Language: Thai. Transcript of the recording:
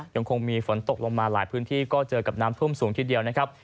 ยังคงมีฝนตกลงมาหลายพื้นที่ก็เจอกับน้ำท่วมสูงทีเดียวนะครับ